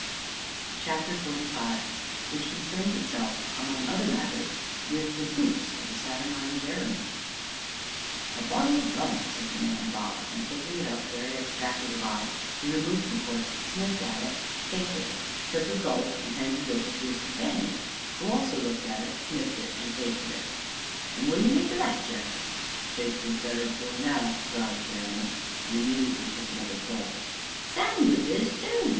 CHAPTER XLV WHICH CONCERNS ITSELF, AMONG OTHER MATTERS, WITH THE BOOTS OF THE SATURNINE JEREMY "A bottle o' rum!" said the man Bob, and taking it up, very abstracted of eye, he removed the cork, sniffed at it, tasted it, took a gulp, and handed it over to his companion, who also looked at, sniffed at, and tasted it. "And what d'ye make o' that, Jeremy?" "Tasted better afore now!" growled Jeremy, and immediately took another pull. "Sang widges, too!"